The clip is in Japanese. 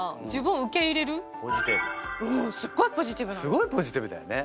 すごいポジティブだよね。